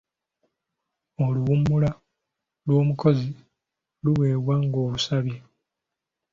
Oluwummula lw'omukozi luweebwa ng'olusabye.